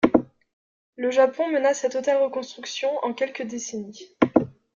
Le Japon mena sa totale reconstruction en quelques décennies.